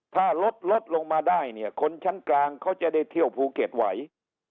ถ้ารถลดลงมาได้เนี่ยคนชั้นกลางเขาจะได้เที่ยวภูเก็ตไหว